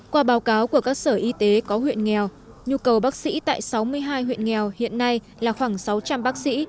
qua báo cáo của các sở y tế có huyện nghèo nhu cầu bác sĩ tại sáu mươi hai huyện nghèo hiện nay là khoảng sáu trăm linh bác sĩ